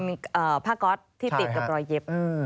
ก็คือเป็นผ้าก๊อตที่ติดกับรอยเย็บ